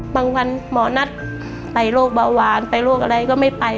วันหมอนัดไปโรคเบาหวานไปโรคอะไรก็ไม่ไป